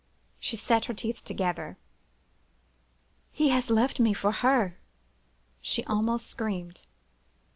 She set her teeth together. 'He has left me for her!' she almost screamed.